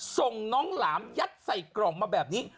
ส่งน้องหลามยัดใส่กล่องมาแบบนี้